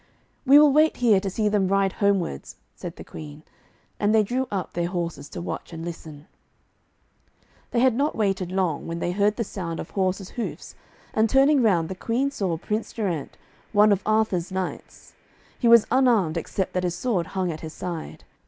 'We will wait here to see them ride homewards,' said the Queen, and they drew up their horses to watch and listen. They had not waited long, when they heard the sound of horse's hoofs, and turning round, the Queen saw Prince Geraint, one of Arthur's knights. He was unarmed, except that his sword hung at his side.